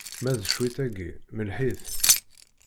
Ma d cwiṭ-agi, melleḥ-it!